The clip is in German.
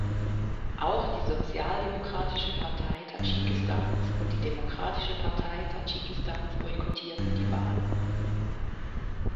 Auch die Sozialdemokratische Partei Tadschikistans und die Demokratische Partei Tadschikistans boykottierten die Wahl.